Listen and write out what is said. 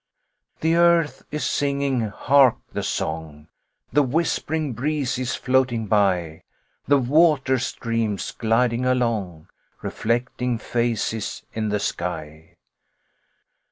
The earth is singing, hark the song; The whispering breezes floating by, The waterstreams gliding along, Reflecting faces in the sky.